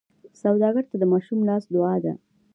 سوالګر ته د ماشوم لاس دعا ده